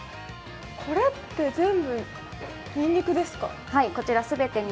これって全部にんにくですか？